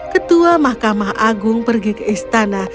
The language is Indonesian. ketua mahkamah agung pergi ke istana